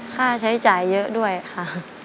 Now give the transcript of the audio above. ค่าใช้จ่ายเยอะด้วยค่ะ